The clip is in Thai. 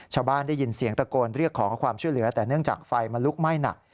ได้ยินเสียงตะโกนเรียกขอความช่วยเหลือแต่เนื่องจากไฟมันลุกไหม้หนัก